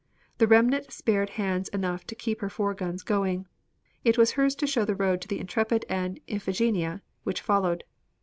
The remnant spared hands enough to keep her four guns going. It was hers to show the road to the Intrepid and Iphigenia which followed.